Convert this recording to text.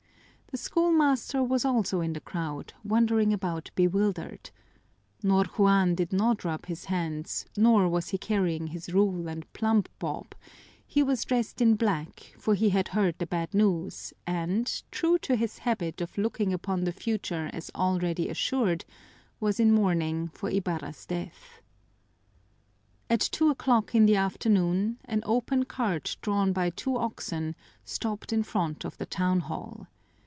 The schoolmaster was also in the crowd, wandering about bewildered. Ñor Juan did not rub his hands, nor was he carrying his rule and plumb bob; he was dressed in black, for he had heard the bad news and, true to his habit of looking upon the future as already assured, was in mourning for Ibarra's death. At two o'clock in the afternoon an open cart drawn by two oxen stopped in front of the town hall.